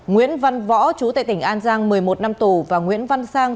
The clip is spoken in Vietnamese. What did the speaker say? nguyễn văn võ chú tại tỉnh an giang một mươi một năm tù và nguyễn văn sang